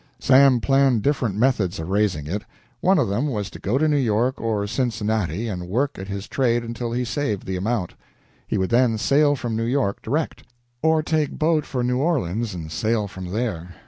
Sam planned different methods of raising it. One of them was to go to New York or Cincinnati and work at his trade until he saved the amount. He would then sail from New York direct, or take boat for New Orleans and sail from there.